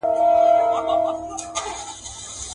اوس یې زیارت ته په سېلونو توتکۍ نه راځي.